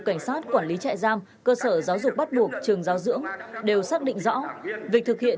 cảnh sát quản lý trại giam cơ sở giáo dục bắt buộc trường giáo dưỡng đều xác định rõ việc thực hiện